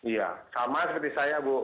iya sama seperti saya bu